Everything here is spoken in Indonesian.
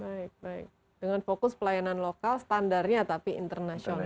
baik baik dengan fokus pelayanan lokal standarnya tapi internasional